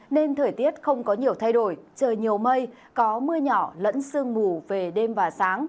nên thời tiết không có nhiều thay đổi trời nhiều mây có mưa nhỏ lẫn sương mù về đêm và sáng